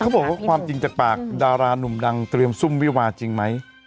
บอกว่าความจริงจากปากดารานุ่มดังเตรียมซุ่มวิวาจริงไหม